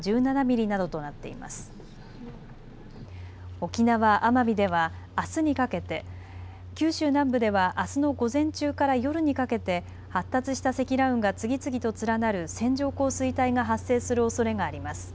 沖縄・奄美ではあすにかけて、九州南部ではあすの午前中から夜にかけて発達した積乱雲が次々と連なる線状降水帯が発生するおそれがあります。